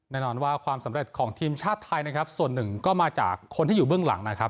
แน่นอนว่าความสำเร็จของทีมชาติไทยนะครับส่วนหนึ่งก็มาจากคนที่อยู่เบื้องหลังนะครับ